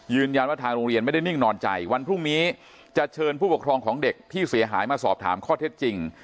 ทางโรงเรียนไม่ได้นิ่งนอนใจวันพรุ่งนี้จะเชิญผู้ปกครองของเด็กที่เสียหายมาสอบถามข้อเท็จจริง